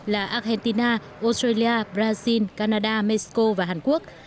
là argentina australia brazil canada mexico và hàn quốc